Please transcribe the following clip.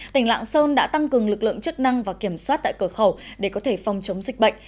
tỉnh lạng sơn đã tăng cường lực lượng chức năng và kiểm soát tại cửa khẩu để có thể phòng chống dịch bệnh